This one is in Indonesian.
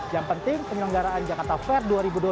yang penting penyelenggaraan jakarta fair dua ribu dua puluh tiga